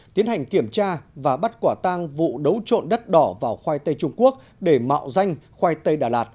tiến hành kiểm tra và bắt quả tang vụ đấu trộm đất đỏ vào khoai tây trung quốc để mạo danh khoai tây đà lạt